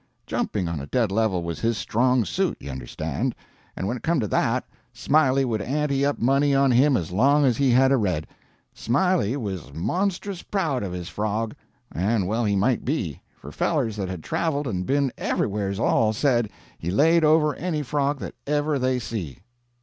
Jumping on a dead level was his strong suit, you understand; and when it come to that, Smiley would ante up money on him as long as he had a red. Smiley was monstrous proud of his frog, and well he might be, for fellers that had traveled and been everywheres all said he laid over any frog that ever they see.